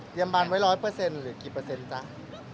เตรียมบานไว้๑๐๐หรือกี่เปอร์เซ็นนต์ครับ